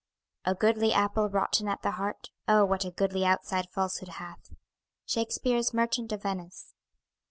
A goodly apple rotten at the heart; O what a goodly outside falsehood hath! SHAKESPEARE'S "MERCHANT OF VENICE."